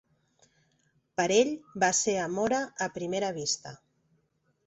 Per ell, va ser amora a primera vista.